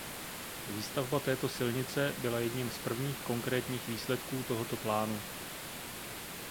Výstavba této silnice byla jedním z prvních konkrétních výsledků tohoto plánu.